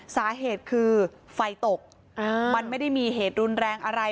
สาเหตุคือไฟตกมันไม่ได้มีเหตุรุนแรงอะไร